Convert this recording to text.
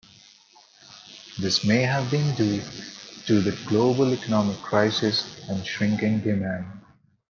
This may have been due to the global economic crisis and shrinking demand.